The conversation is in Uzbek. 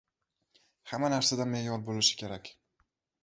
Hamma narsada me’yor bo‘lishi kerak.